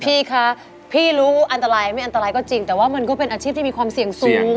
พี่คะพี่รู้อันตรายไม่อันตรายก็จริงแต่ว่ามันก็เป็นอาชีพที่มีความเสี่ยงสูง